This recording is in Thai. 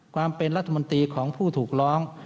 ความเป็นรัฐมนตรีของผู้ถูกร้อง